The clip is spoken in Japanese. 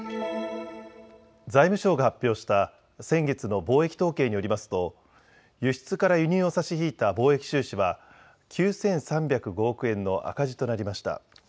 財務省が発表した先月の貿易統計によりますと輸出から輸入を差し引いた貿易収支は９３０５億円の赤字となりました。